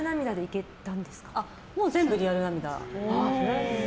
もう全部リアル涙。